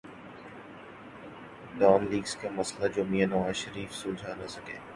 Dawn leaks کا مسئلہ جو میاں نواز شریف سلجھا نہ سکے۔